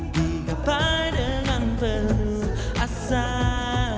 tidak pay dengan perlu asal